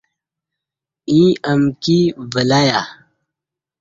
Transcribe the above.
ییں امکی ولہیہ